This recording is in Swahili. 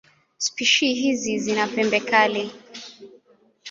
Spishi hizi zina pembe kali.